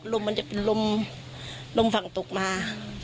มันจะเป็นลมลมฝั่งตกมา